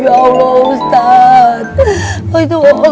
ya allah ustadz